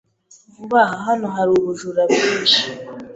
Vuba aha, hano hari ubujura bwinshi.